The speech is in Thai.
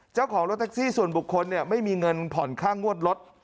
เจ้าของรถแท็กซี่ส่วนบุคคลไม่มีเงินผ่อนค่างวดรถ